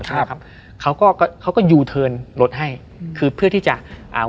ใช่ครับเขาก็เขาก็ยูเทิร์นรถให้อืมคือเพื่อที่จะอ่า